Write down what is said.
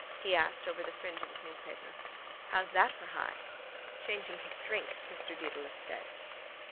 he asked over the fringe of his newspaper. How's that for high? —Changing his drink, Mr Dedalus said.